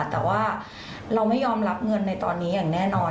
แต่ว่าเราไม่ยอมรับเงินในตอนนี้อย่างแน่นอน